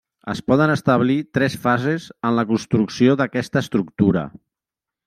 Es poden establir tres fases en la construcció d'aquesta estructura.